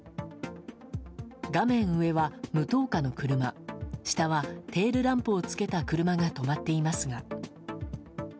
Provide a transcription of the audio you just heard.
画面上は無灯火の車下は、テールランプをつけた車が止まっていますが。